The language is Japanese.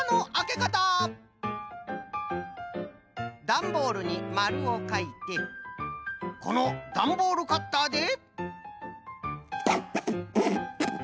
ダンボールにまるをかいてこのダンボールカッターで。